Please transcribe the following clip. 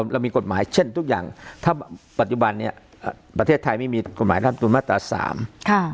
เรามีกฎหมายเช่นทุกอย่างถ้าปัจจุบันเนี้ยประเทศไทยไม่มีกฎหมายรับตุลมาตราสามค่ะ